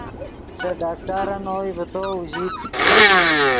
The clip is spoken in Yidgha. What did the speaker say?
ݰے ڈاکٹرن اوئے ڤے تو اوژیت